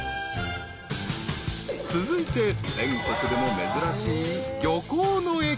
［続いて全国でも珍しい漁港の駅］